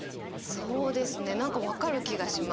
そうですね何か分かる気がします。